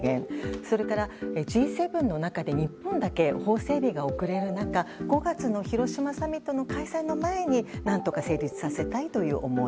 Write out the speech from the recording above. それからＧ７の中で日本だけが法整備が遅れる中５月の広島サミットの開催の前に何とか成立させたいという思い。